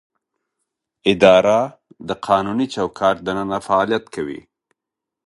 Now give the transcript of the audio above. اداره د قانوني چوکاټ دننه فعالیت کوي.